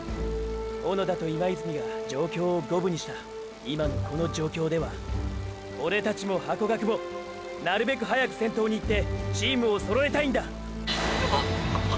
小野田と今泉が状況を五分にした今のこの状況ではーーオレたちもハコガクもなるべく早く先頭にいってチームを揃えたいんだ！！ッ！！